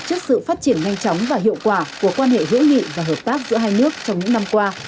trước sự phát triển nhanh chóng và hiệu quả của quan hệ hữu nghị và hợp tác giữa hai nước trong những năm qua